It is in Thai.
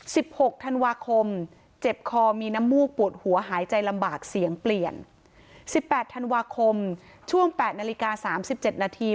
หกธันวาคมเจ็บคอมีน้ำมูกปวดหัวหายใจลำบากเสียงเปลี่ยนสิบแปดธันวาคมช่วงแปดนาฬิกาสามสิบเจ็ดนาที